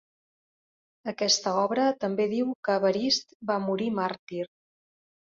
Aquesta obra també diu que Evarist va morir màrtir.